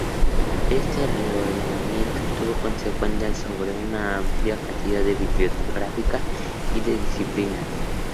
Este reordenamiento tuvo consecuencias sobre una amplia cantidad de bibliografía y de disciplinas.